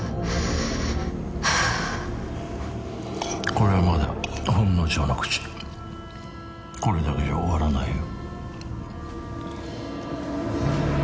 これはまだほんの序の口これだけじゃ終わらないよ